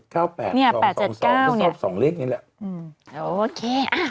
คือสอบ๒เลขนี่แหละ